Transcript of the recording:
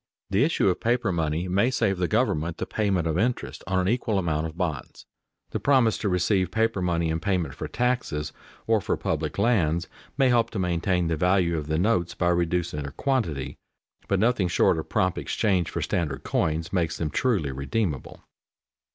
The issue of paper money may save the government the payment of interest on an equal amount of bonds. The promise to receive paper money in payment for taxes or for public lands, may help to maintain the value of the notes by reducing their quantity, but nothing short of prompt exchange for standard coins makes them truly redeemable.